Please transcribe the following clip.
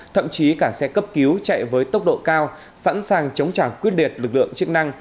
thậm chí cả xe cấp cứu chạy với tốc độ cao sẵn sàng chống trả quyết liệt lực lượng chức năng